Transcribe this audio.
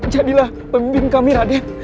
jadilah pemimpin kami raden